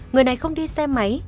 người này không đi xe máy